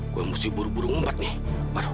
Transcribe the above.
gue mesti buru buru ngumpet nih waduh